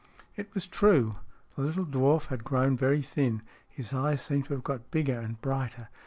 It was true. The little dwarf had grown very thin. His eyes seemed to have got bigger and brighter.